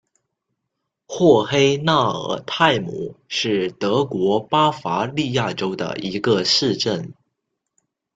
霍黑纳尔泰姆是德国巴伐利亚州的一个市镇。